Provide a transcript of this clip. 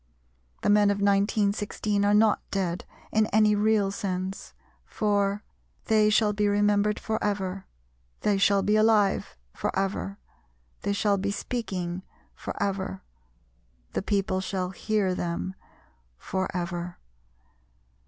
The men of 1916 are not dead in any real sense, for "They shall be remembered for ever, They shall be alive for ever, They shall be speaking for ever, The people shall hear them for ever."